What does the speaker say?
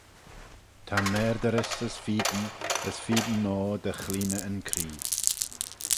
Ta maarderys, as feeyn, as feeyn noa dy chleayney yn cree.